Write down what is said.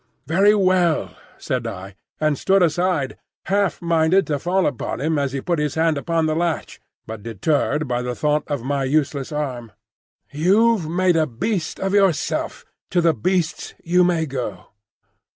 "Very well," said I, and stood aside, half minded to fall upon him as he put his hand upon the latch, but deterred by the thought of my useless arm. "You've made a beast of yourself,—to the beasts you may go."